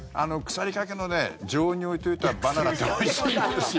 腐りかけの常温に置いておいたバナナっておいしいんですよ。